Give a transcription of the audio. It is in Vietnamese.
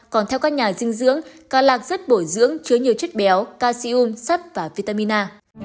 còn theo các nhà dinh dưỡng cá lạc rất bổ dưỡng chứa nhiều chất béo calcium sát và vitamin a